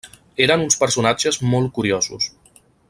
Eren uns personatges molt curiosos.